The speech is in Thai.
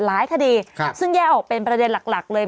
คดีซึ่งแยกออกเป็นประเด็นหลักเลย